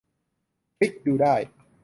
คลิกดูได้